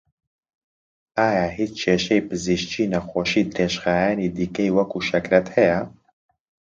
ئایا هیچ کێشەی پزیشکی نەخۆشی درێژخایەنی دیکەی وەکوو شەکرەت هەیە؟